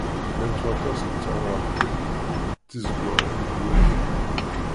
Llant waṭas n tewreḍtin tizeggaɣin deg wurti.